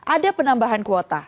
ada penambahan kuota